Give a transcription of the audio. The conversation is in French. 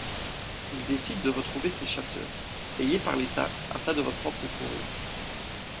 Il décide de retrouver ces chasseurs, payés par l'État, afin de reprendre ses fourrures.